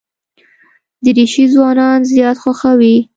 دریشي ځوانان زیات خوښوي.